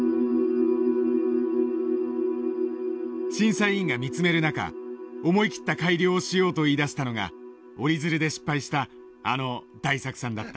審査委員が見つめる中思い切った改良をしようと言いだしたのが折り鶴で失敗したあの大作さんだった。